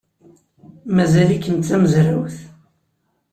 Mazal-ikem d tamezrawt?